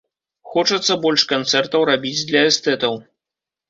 Хочацца больш канцэртаў рабіць для эстэтаў.